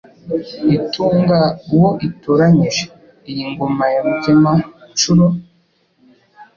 Itunga uwo itoranyije Iyi ngoma ya Rugema-nshuro,